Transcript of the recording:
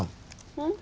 うん？